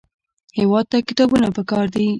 هېواد ته کتابونه پکار دي